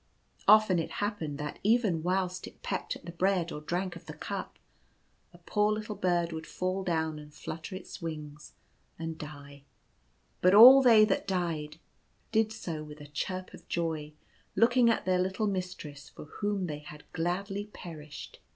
Often it happened that, even whilst it pecked at the bread or drank of the cup, a poor little bird would fall down and flutter its wings and die ; but all they that died, did so with a chirp of joy, looking at their little mistress, for whom they had gladly perished.